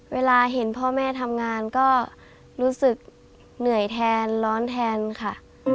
เวลาเห็นพ่อแม่ทำงานก็รู้สึกเหนื่อยแทนร้อนแทนค่ะ